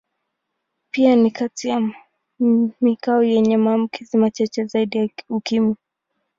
Pia ni kati ya mikoa yenye maambukizi machache zaidi ya Ukimwi.